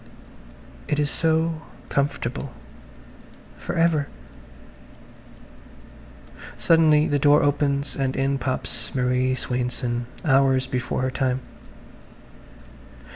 It is so comfortable ... for ever ... Suddenly the door opens and in pops Marie Swainson, hours before her time.